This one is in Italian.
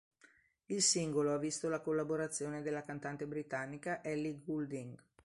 Il singolo ha visto la collaborazione della cantante britannica Ellie Goulding.